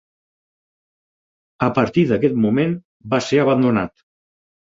A partir d'aquest moment va ser abandonat.